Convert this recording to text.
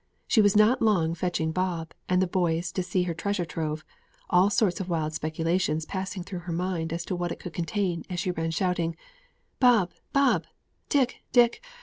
She was not long fetching Bob and the boys to see her treasure trove; all sorts of wild speculations passing through her mind as to what it could contain as she ran shouting "Bob! Bob! Dick! Dick!